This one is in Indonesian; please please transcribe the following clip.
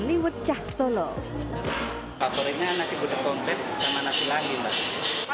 pecah solo favoritnya nasi gudeg komplit sama nasi lagi mbak